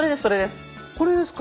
これですか？